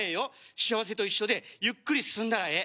幸せと一緒でゆっくり進んだらええ。